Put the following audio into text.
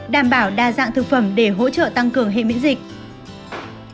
đảm bảo đa dạng thực phẩm để hỗ trợ tăng cường hệ miễn dịch